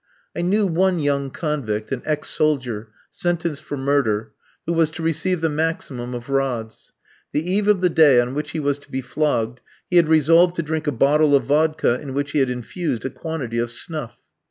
I knew one young convict, an ex soldier, sentenced for murder, who was to receive the maximum of rods. The eve of the day on which he was to be flogged, he had resolved to drink a bottle of vodka in which he had infused a quantity of snuff.